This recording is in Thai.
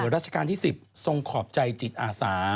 ราชการที่๑๐ทรงขอบใจจิตอาสา